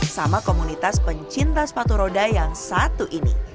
sama komunitas pencinta sepatu roda yang satu ini